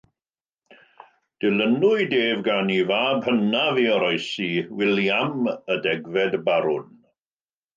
Dilynwyd ef gan ei fab hynaf i oroesi, William, y degfed Barwn.